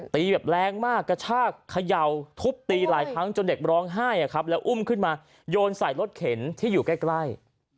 แบบแรงมากกระชากเขย่าทุบตีหลายครั้งจนเด็กร้องไห้แล้วอุ้มขึ้นมาโยนใส่รถเข็นที่อยู่ใกล้